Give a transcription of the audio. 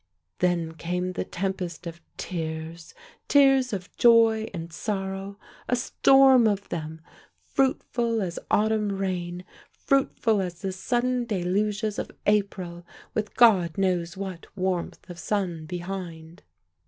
Then came the tempest of tears, tears of joy and sorrow, a storm of them, fruitful as autumn rain, fruitful as the sudden deluges of April, with God knows what warmth of sun behind.